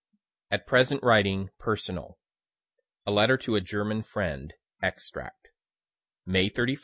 AT PRESENT WRITING PERSONAL A letter to a German friend extract _May 31, '82.